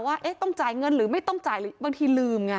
ว่าต้องจ่ายเงินหรือไม่ต้องจ่ายหรือบางทีลืมไง